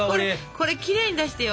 これきれいに出してよ。